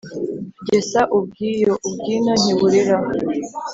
Gesa ubw’iyo, ubw'ino ntiburera.